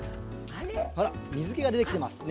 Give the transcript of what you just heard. ほら水けが出てきてますね。